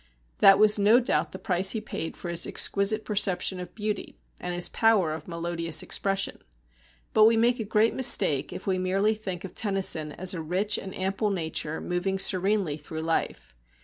That was no doubt the price he paid for his exquisite perception of beauty and his power of melodious expression. But we make a great mistake if we merely think of Tennyson as a rich and ample nature moving serenely through life.